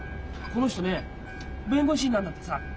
この人ね弁護士になるんだってさ。